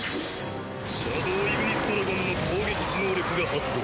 シャドウ・イグニスドラゴンの攻撃時能力が発動。